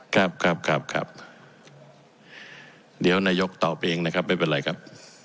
ครับครับครับเดี๋ยวนายกตอบเองนะครับไม่เป็นไรครับ